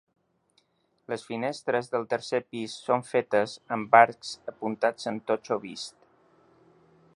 Les finestres del tercer pis són fetes amb arcs apuntats en totxo vist.